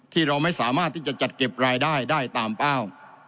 ที่เราไม่สามารถที่จะจัดเก็บรายได้ได้ตามเป้า